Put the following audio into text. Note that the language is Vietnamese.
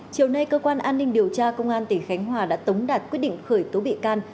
chiều nay cơ quan an ninh điều tra công an tỉnh khánh hòa đã tống đạt quyết định khởi tố bị can